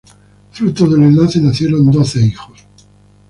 Fruto del enlace nacieron doce hijos.